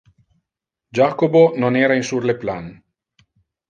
Jacobo non era in sur le plan.